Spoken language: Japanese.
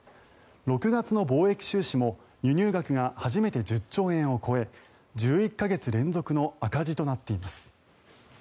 ６月の貿易収支も輸入額が初めて１０兆円を超え１１か月連続の赤字となっています。